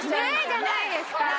じゃないですか！